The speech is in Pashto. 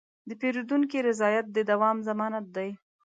د پیرودونکي رضایت د دوام ضمانت دی.